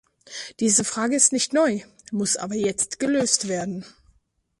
Diese Frage ist nicht neu, muss aber jetzt gelöst werden.